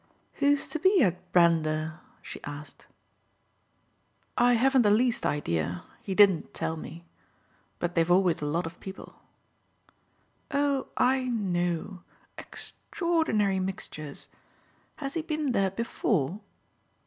"Who's to be at Brander?" she asked. "I haven't the least idea he didn't tell me. But they've always a lot of people." "Oh I know extraordinary mixtures. Has he been there before?"